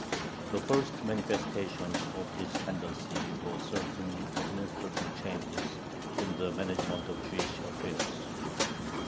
The first manifestations of this tendency were certain administrative changes in the management of Jewish affairs.